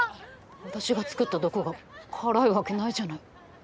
私が作った毒が辛いわけないじゃない。